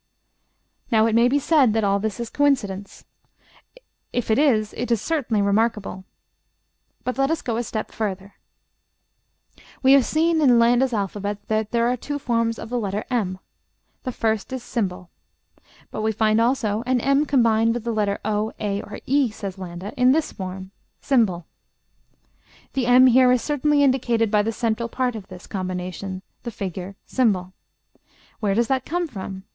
Now it may be said that all this is coincidence. If it is, it is certainly remarkable. But let us go a step farther: We have seen in Landa's alphabet that there are two forms of the letter m. The first is ###. But we find also an m combined with the letter o, a, or e, says Landa, in this form, ###. The m here is certainly indicated by the central part of this combination, the figure ###; where does that come from?